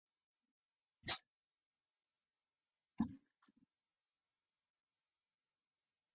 The Mediterranean climate of this coast is cool and moist with wet winters.